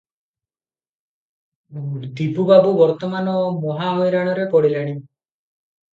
ଦିବୁବାବୁ ବର୍ତ୍ତମାନ ମହା ହଇରାଣରେ ପଡିଲେଣି ।